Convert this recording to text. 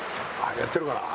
やってるかな？